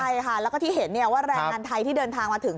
ใช่ค่ะแล้วก็ที่เห็นว่าแรงงานไทยที่เดินทางมาถึง